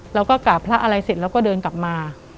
แล้วก็กลับพระอะไรเสร็จแล้วก็เดินกลับมา